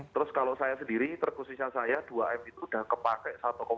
terus kalau saya sendiri terkhususnya saya dua m itu sudah kepake satu dua